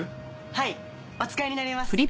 はいお使いになれます。